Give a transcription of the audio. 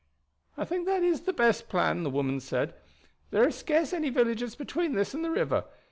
"I think that is the best plan," the woman said. "There are scarce any villages between this and the river.